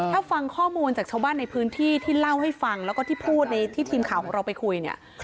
ถ้าฟังข้อมูลจากชาวบ้านในพื้นที่ที่เล่าให้ฟังแล้วก็ที่พูดในที่ทีมข่าวของเราไปคุยเนี่ย